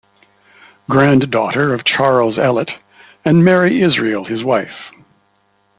Granddaughter of Charles Ellet and Mary Israel, his wife.